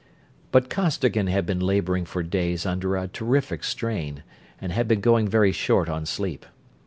But Costigan had been laboring for days under a terrific strain, and had been going very short on sleep.